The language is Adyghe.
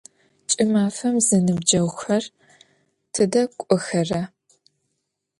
Ç'ımafem zenıbceğuxer tıde k'oxera?